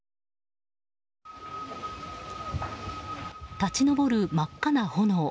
立ち上る真っ赤な炎。